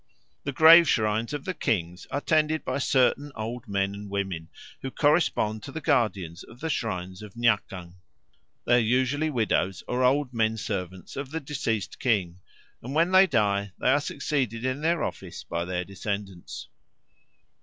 The grave shrines of the kings are tended by certain old men or women, who correspond to the guardians of the shrines of Nyakang. They are usually widows or old men servants of the deceased king, and when they die they are succeeded in their office by their descendants.